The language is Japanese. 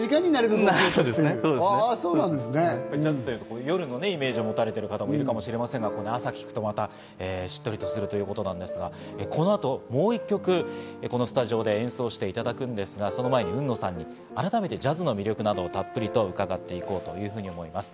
やはりジャズというと夜のイメージという方が多いかもしれませんが朝聴くとしっとりする音なんですが、この後、もう１曲このスタジオで演奏していただくんですが、その前に海野さんに改めてジャズの魅力などたっぷり伺っていこうと思います。